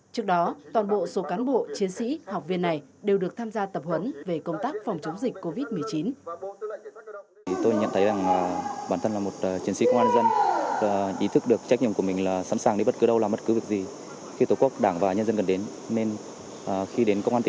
trước đó toàn bộ số cán bộ chiến sĩ học viên này đều được tham gia tập huấn về công tác phòng chống dịch covid một mươi chín